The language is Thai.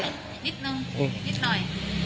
นิดนึงนิดหน่อย